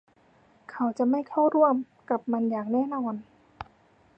เขาจะไม่เข้าร่วมกับมันอย่างแน่นอน